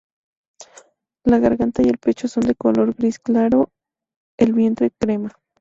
La garganta y el pecho son de color gris claro, el vientre crema.